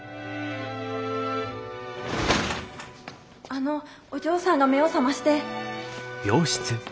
あのお嬢さんが目を覚まして。